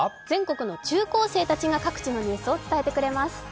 全国の中高生たちが各地のニュースを伝えてくれます。